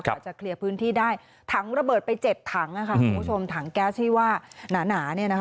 กว่าจะเคลียร์พื้นที่ได้ถังระเบิดไป๗ถังคุณผู้ชมถังแก๊สที่ว่าหนาเนี่ยนะคะ